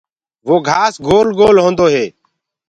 وو گھآس گول گول هوندو هي۔